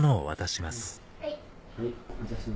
はい。